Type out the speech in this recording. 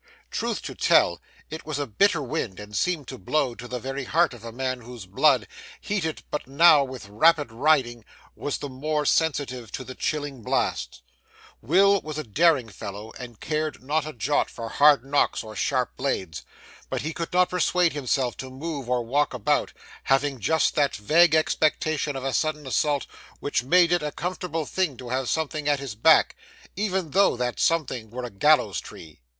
Truth to tell, it was a bitter wind, and seemed to blow to the very heart of a man whose blood, heated but now with rapid riding, was the more sensitive to the chilling blast. Will was a daring fellow, and cared not a jot for hard knocks or sharp blades; but he could not persuade himself to move or walk about, having just that vague expectation of a sudden assault which made it a comfortable thing to have something at his back, even though that something were a gallows tree.